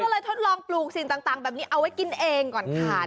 ก็เลยทดลองปลูกสิ่งต่างแบบนี้เอาไว้กินเองก่อนค่ะ